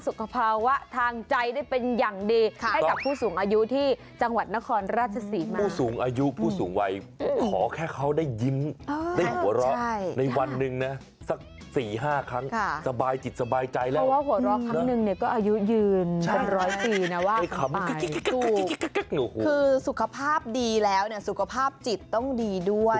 ถึงขั้นผงาเลยทีเดียวแม่ไม่คิดว่าจะสวยหล่อเนี่ยขนาดนี้